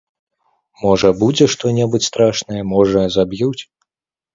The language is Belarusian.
Можа, будзе што-небудзь страшнае, можа, заб'юць.